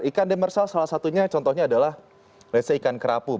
ikan demersal salah satunya contohnya adalah lese ikan kerapu